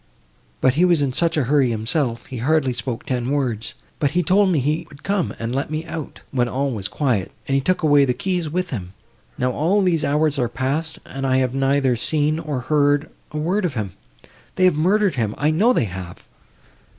But he was in such a hurry himself, he hardly spoke ten words, but he told me he would come, and let me out, when all was quiet, and he took away the key with him. Now all these hours are passed, and I have neither seen, nor heard a word of him; they have murdered him—I know they have!"